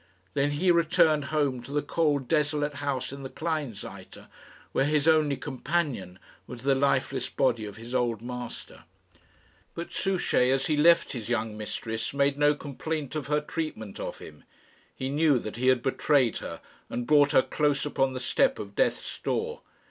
Then he returned home to the cold desolate house in the Kleinseite, where his only companion was the lifeless body of his old master. But Souchey, as he left his young mistress, made no complaint of her treatment of him. He knew that he had betrayed her, and brought her close upon the step of death's door.